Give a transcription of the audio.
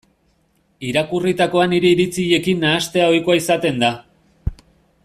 Irakurritakoa nire iritziekin nahastea ohikoa izaten da.